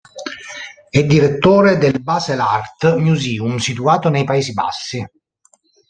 È direttore del Basel art museum situato nei Paesi Bassi.